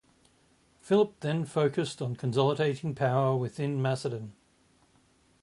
Philip then focused on consolidating power within Macedon.